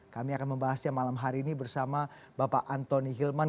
kami akan membahasnya malam hari ini bersama bapak antoni hilman